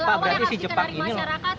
pak berarti si jepang ini